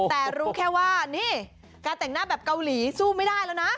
แต่รู้แค่ว่านี่การแต่งหน้าแบบเกาหลีสู้ไม่ได้แล้วนะ